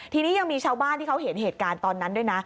ทีนี้ยังมีชาวบ้านที่เขาเห็นเหตุการณ์ตอนนั้นด้วยนะ